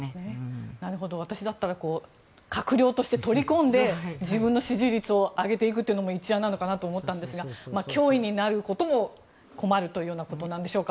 私だったら閣僚として取り込んで自分の支持率を上げていくというのも一案なのかなと思ったんですが脅威になることも困るということなんでしょうか。